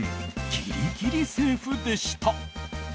ギリギリセーフでした。